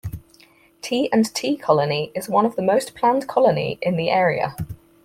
T and T colony is one of the most planned colony in the area.